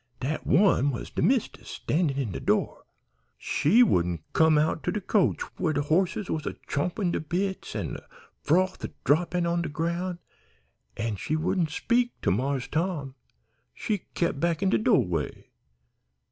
Dat one was de mist'ess, standin' in de door. She wouldn't come out to de coach where de horses was a champin' de bits an' de froth a droppin' on de groun', an' she wouldn't speak to Marse Tom. She kep' back in de do'way.